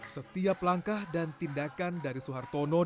setiap langkah dan tindakan dari soeharto noh